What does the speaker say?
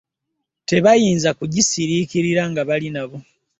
Tebayinza kugisirikirira nga bali nabo .